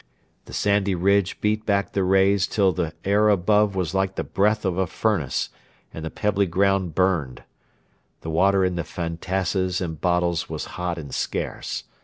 The sandy ridge beat back the rays till the air above was like the breath of a furnace and the pebbly ground burned. The water in the fantasses and bottles was hot and scarce.